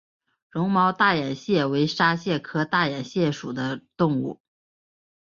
绒毛大眼蟹为沙蟹科大眼蟹属的动物。